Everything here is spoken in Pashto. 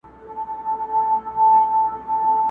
نه په خوله فریاد له سرولمبو لري!.